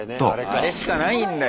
あれしかないんだ